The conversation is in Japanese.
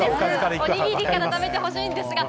おにぎりから食べてほしいんです。